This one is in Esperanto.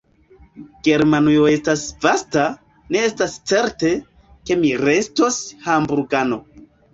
Germanujo estas vasta; ne estas certe, ke mi restos Hamburgano.